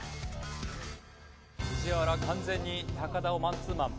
藤原完全に田をマンツーマン。